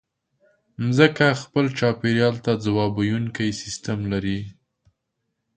مځکه خپل چاپېریال ته ځواب ویونکی سیستم لري.